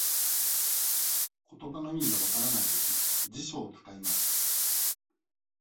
ことばの意味が分からないとき、辞書を使います。